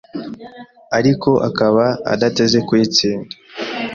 ariko akaba adateze kuyitsinda